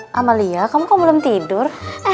eh amalia kamu kok belum tidur